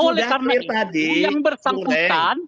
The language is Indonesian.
oleh karena itu yang bersambutan